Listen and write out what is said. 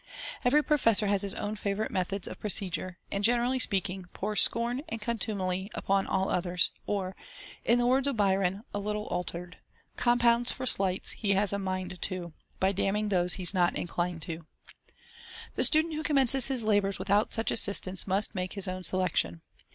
Every Professor has his own favourite methods of procedure, and, generally speaking, pours scorn and contumely upon all others \ or, in the words of Byron (a little altered) —* Compounds for sleights he has a mind to. By damning those he's not inclined to." The student who commences his labours without such assistance must make his own selection.